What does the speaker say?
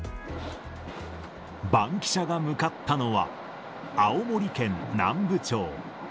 バンキシャが向かったのは、青森県南部町。